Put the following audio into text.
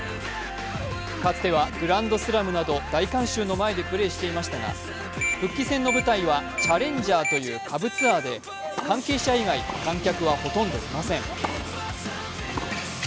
かつてはグランドスラムなど大観衆の前でプレーしていましたが復帰戦の舞台はチャレンジャーという下部ツアーで関係者以外観客はほとんどいません。